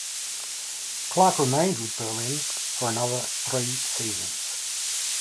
Clarke remained with Berlin for another three seasons.